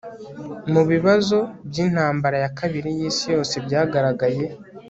mubibazo byintambara ya kabiri yisi yose byagaragaye